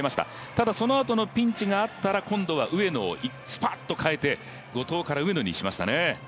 ただ、そのあとのピンチがあったら今度は上野をスパッと代えて、後藤から上野にしましたね。